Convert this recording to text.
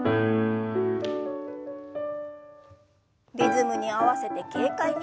リズムに合わせて軽快に。